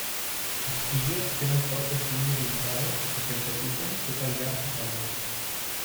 Les tiges tenen fortes línies inflades que s'executen tot el llarg cap amunt.